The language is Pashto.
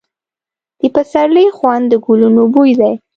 د پسرلي خوند د ګلونو بوی دی.